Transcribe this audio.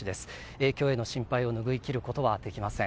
影響への心配を拭い切ることはできません。